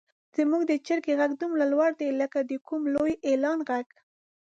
زموږ د چرګې غږ دومره لوړ دی لکه د کوم لوی اعلان غږ.